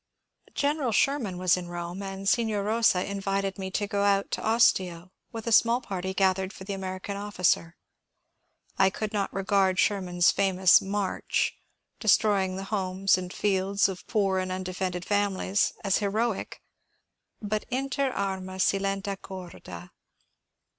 General Sherman was in Rome, and Signer Bosa invited me to go out to Ostia with a small party gathered for the American officer. I could not regard Sherman's famous *^ march "— destroying the homes and fields of poor and un defended families — as heroic, but inter arma silent corda.